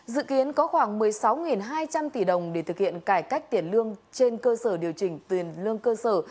dự kiến có khoảng một mươi sáu hai trăm linh tỷ đồng để thực hiện cải cách tiền lương trên cơ sở điều chỉnh tiền lương cơ sở